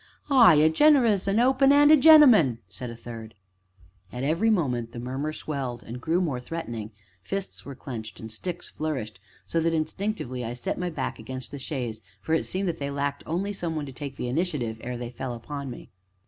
"Ay, ay a generous, open open 'anded gen'man!" said a third. And every moment the murmur swelled, and grew more threatening; fists were clenched, and sticks flourished, so that, instinctively, I set my back against the chaise, for it seemed they lacked only some one to take the initiative ere they fell upon me.